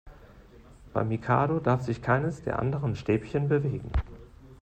Beim Mikado darf sich keines der anderen Stäbchen bewegen.